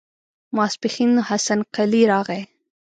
ماسپښين حسن قلي راغی.